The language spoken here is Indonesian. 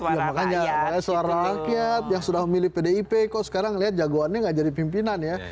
ya makanya seorang rakyat yang sudah memilih pdip kok sekarang lihat jagoannya gak jadi pimpinan ya